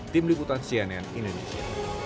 tim liputan cnn indonesia